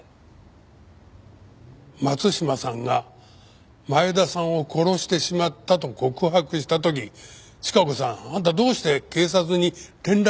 松島さんが前田さんを殺してしまったと告白した時チカ子さんあんたどうして警察に連絡をしなかったんです？